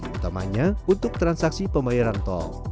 utamanya untuk transaksi pembayaran tol